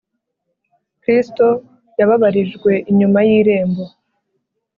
kristo “yababarijwe inyuma y’irembo”